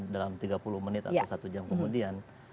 dalam tiga puluh menit atau satu jam kemudian